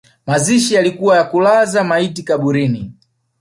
Mazishi yalikuwa ya kulaza maiti kaburini